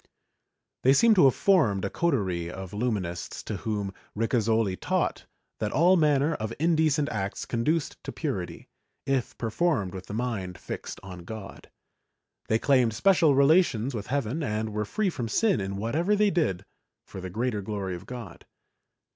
They seem to have formed a coterie of Illuminists to whom Ricasoli taught that all manner of indecent acts conduced to purity, if performed with the mind fixed on God; they claimed special relations with heaven and were free from sin in whatever they did for the greater glory of God.